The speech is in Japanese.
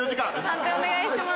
判定お願いします。